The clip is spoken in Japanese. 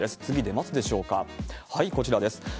次、でますでしょうかはい、こちらです。